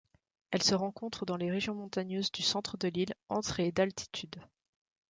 Elle se rencontre dans les régions montagneuses du centre de l'île, entre et d'altitude.